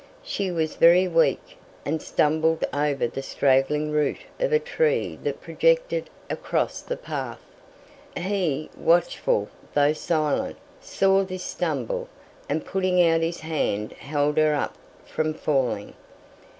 She was very weak, and stumbled over the straggling root of a tree that projected across the path. He, watchful though silent, saw this stumble, and putting out his hand held her up from falling.